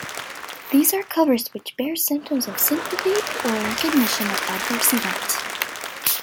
These are covers which bear signs of sympathy or recognition of an adverse event.